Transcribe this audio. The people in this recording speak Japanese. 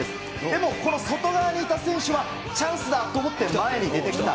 でも、この外側にいた選手は、チャンスだと思って、前に出てきた。